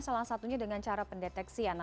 salah satunya dengan cara pendeteksian